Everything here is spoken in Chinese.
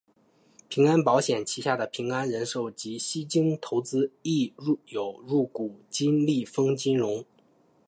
平安保险旗下的平安人寿及西京投资亦有入股金利丰金融。